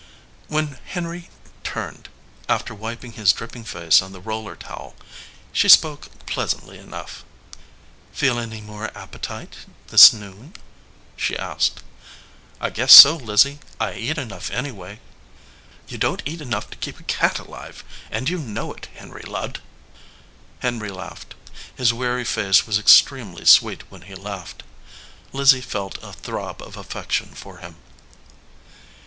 When Henry turned, after wiping his dripping face on the roller towel, she spoke pleasantly enough. "Feel any more appetite this noon ?" she asked. "I guess so, Lizzie. I eat enough, anyway." "You don t eat enough to keep a cat alive, and you know it, Henry Ludd !" Henry laughed. His weary face was extremely sweet when he laughed. Lizzie felt a throb of affection for him.